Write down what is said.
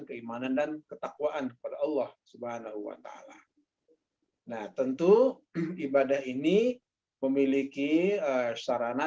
keimanan dan ketakwaan kepada allah swt nah tentu ibadah ini memiliki sarana